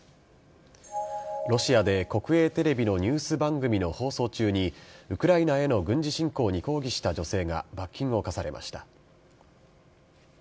ロシアで国営テレビのニュース番組の放送中に、ウクライナへの軍事侵攻に抗議した女性が罰金を科されました。